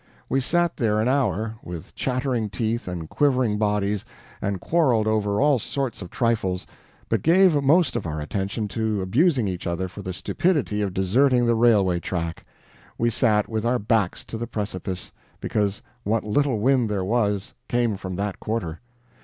We sat there an hour, with chattering teeth and quivering bodies, and quarreled over all sorts of trifles, but gave most of our attention to abusing each other for the stupidity of deserting the railway track. We sat with our backs to the precipice, because what little wind there was came from that quarter.